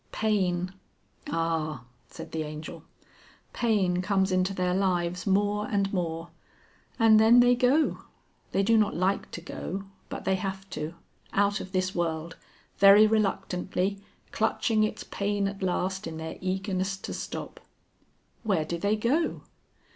Pain...." "Ah!" said the Angel. "Pain comes into their lives more and more. And then they go. They do not like to go, but they have to out of this world, very reluctantly, clutching its pain at last in their eagerness to stop...." "Where do they go?"